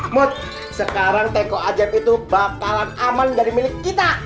mood sekarang teko ajaib itu bakalan aman dari milik kita